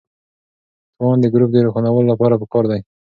توان د ګروپ د روښانولو لپاره پکار دی.